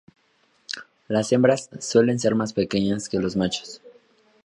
Las hembras suelen ser más pequeñas que los machos.